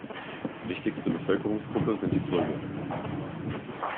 Wichtigste Bevölkerungsgruppe sind die Fulbe.